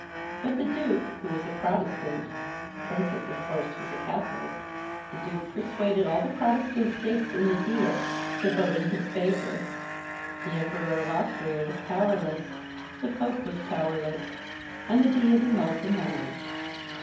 But the duke, who was a Protestant (the princess was of course a Catholic), the duke persuaded all the Protestant States in the Diet to vote in his favour. The Emperor of Austria was powerless, the Pope was powerless. And the Diet annulled the marriage."